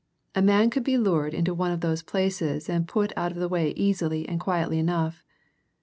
A man could be lured into one of those places and put out of the way easily and quietly enough.